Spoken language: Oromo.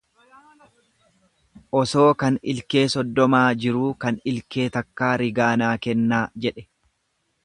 Osoo kan ilkee soddomaa jiruu kan ilkee takkaa rigaa naa kennaa jedhe.